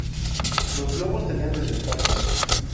Los globos tenían desventajas.